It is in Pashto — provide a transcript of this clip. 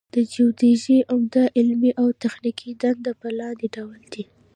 د جیودیزي عمده علمي او تخنیکي دندې په لاندې ډول دي